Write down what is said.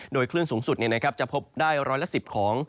โดยคลื่นสูงสุดจะพบได้ร้อยละ๑๐ของ